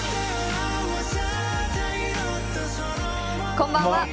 こんばんは。